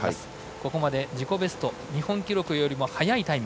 ここまで自己ベスト日本記録より速いタイム。